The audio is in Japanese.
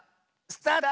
スタート！